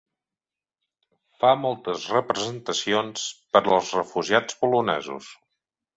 Fa moltes representacions per als refugiats polonesos.